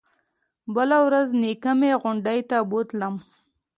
بله ورځ نيكه مې غونډۍ ته بوتلم.